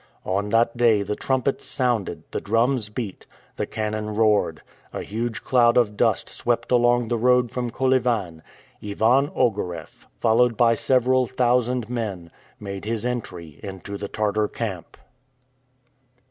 On that day the trumpets sounded, the drums beat, the cannon roared. A huge cloud of dust swept along the road from Kolyvan. Ivan Ogareff, followed by several thousand men, made his entry into the Tartar camp.